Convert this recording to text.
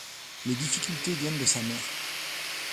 Les difficultés viennent de sa mère.